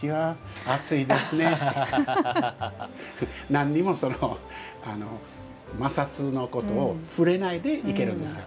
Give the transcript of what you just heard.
何にも摩擦のことを触れないでいけるんですよ。